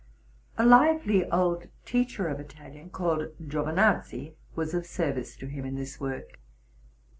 A lively old teacher of Italian, called Giovinazzi, was of service to him in this work.